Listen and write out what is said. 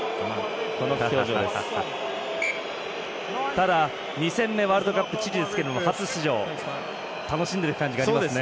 ただ、２戦目ワールドカップチリですけども、初出場楽しんでる感じがありますね。